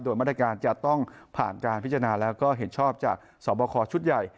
โดยมาตรการจะต้องผ่านการพิจารณาแล้วก็เห็นชอบจากสอบคอชุดใหญ่